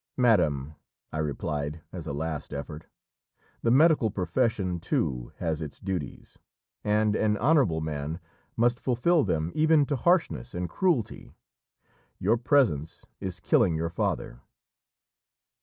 "Madam," I replied as a last effort, "the medical profession, too, has its duties, and an honourable man must fulfil them even to harshness and cruelty; your presence is killing your father."